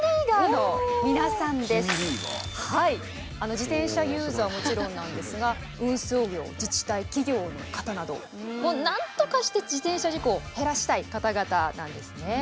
自転車ユーザーはもちろんなんですが運送業自治体企業の方などなんとかして自転車事故を減らしたい方々なんですね。